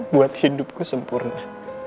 buat hidupku sempurna